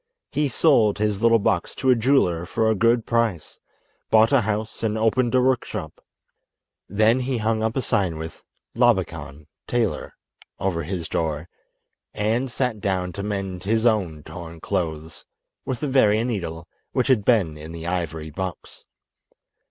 He sold his little box to a jeweller for a good price, bought a house and opened a workshop. Then he hung up a sign with, "Labakan, Tailor," over his door, and sat down to mend his own torn clothes with the very needle which had been in the ivory box.